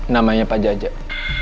namanya pak jajak